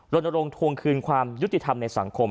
ลงทวงคืนความยุติธรรมในสังคม